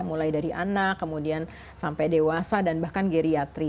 mulai dari anak kemudian sampai dewasa dan bahkan geriatri